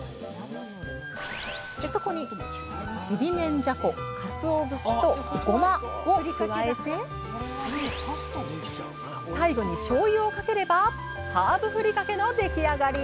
そこにちりめんじゃこかつお節とゴマを加えて最後にしょうゆをかければハーブふりかけの出来上がり！